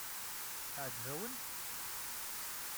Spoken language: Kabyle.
Teɛǧeb-awen?